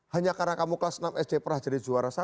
hanya karena kamu kelas enam sj pernah jadi juara satu